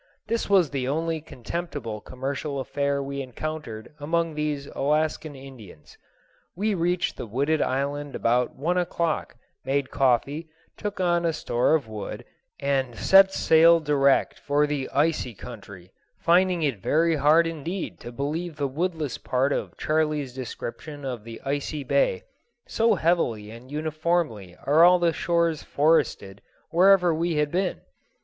This was the only contemptible commercial affair we encountered among these Alaskan Indians. We reached the wooded island about one o'clock, made coffee, took on a store of wood, and set sail direct for the icy country, finding it very hard indeed to believe the woodless part of Charley's description of the Icy Bay, so heavily and uniformly are all the shores forested wherever we had been.